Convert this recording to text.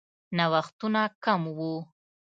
نوښتونه کم وو.